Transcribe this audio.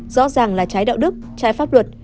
rõ ràng là trái đạo đức trái pháp luật